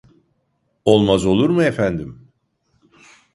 Olmaz olur mu, efendim?